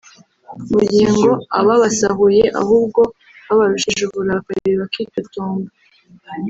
mu gihe ngo ababasahuye ahubwo babarushije uburakari bakitotomba